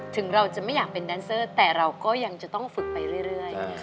ถึงเราจะไม่อยากเป็นแดนเซอร์แต่เราก็ยังจะต้องฝึกไปเรื่อย